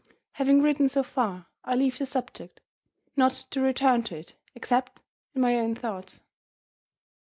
"Having written so far, I leave the subject not to return to it, except in my own thoughts.